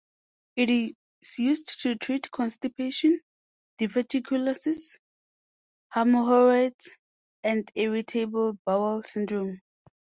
It is used to treat constipation, diverticulosis, hemorrhoids and irritable bowel syndrome.